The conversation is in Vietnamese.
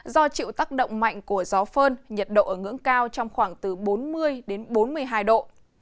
do chịu tác động mạnh của gió phơn nhiệt độ ở ngưỡng cao trong khoảng từ bốn mươi đến bốn mươi hai độ